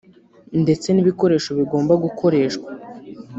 ndetse n’ibikoresho bigomba gukoreshwa